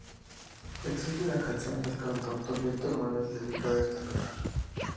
Existe una canción del cantautor Víctor Manuel dedicada a este lugar.